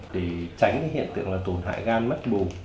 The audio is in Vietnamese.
để tránh hiện tượng tổn hại gan mất bù